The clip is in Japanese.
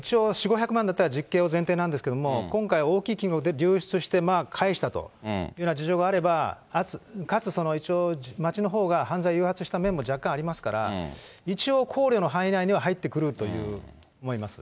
一応４、５００万だったら実刑を前提なんですけど、今回、大きい金額で流出して、返したというような事情があれば、かつ、一応町のほうが犯罪を誘発した面も若干ありますから、一応考慮の範囲内には入ってくると思います。